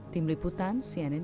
tim liputan cnn indonesia